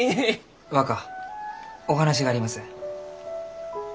若お話があります。